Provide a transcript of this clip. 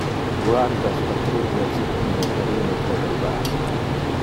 Guardas patrulia circum le perimetro del base.